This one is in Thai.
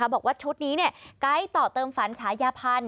บอกว่าชุดนี้ไกด์ต่อเติมฝันฉายาพันธ์